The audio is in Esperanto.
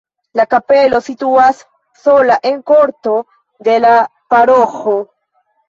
La kapelo situas sola en korto de la paroĥo.